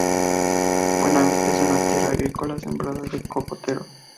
Buenavista es una tierra agrícola sembrada de cocoteros.